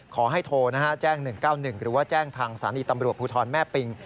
ขอให้โทรนะฮะแจ้ง๑๙๑หรือว่าแจ้งทางสถานีตำรวจภูทรแม่ปิง